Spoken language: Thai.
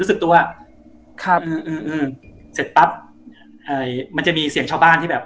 รู้สึกตัวครับเอออืมเสร็จปั๊บเอ่อมันจะมีเสียงชาวบ้านที่แบบ